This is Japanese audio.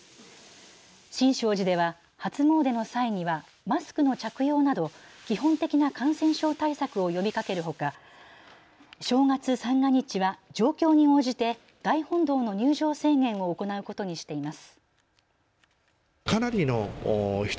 新勝寺では初詣の際にはマスクの着用など基本的な感染症対策を呼びかけるほか正月三が日は状況に応じて大本堂の入場制限を行うことにしています。